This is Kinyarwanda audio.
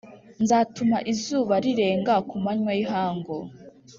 nzatuma izuba rirenga ku manywa y’ihangu